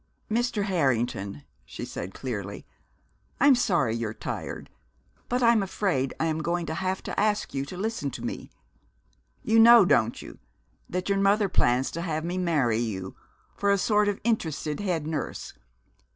"Mr. Harrington," she said clearly, "I'm sorry you're tired, but I'm afraid I am going to have to ask you to listen to me. You know, don't you, that your mother plans to have me marry you, for a sort of interested head nurse?